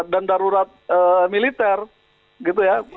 dan darurat militer gitu ya